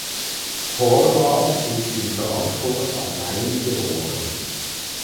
Horvath ist in Frankfurt am Main geboren.